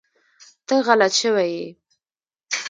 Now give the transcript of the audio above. ته غلط شوی ېي